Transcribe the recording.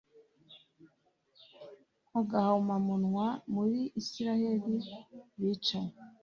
agahomamunwa muri isirayeli bicanye